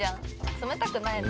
冷たくないの？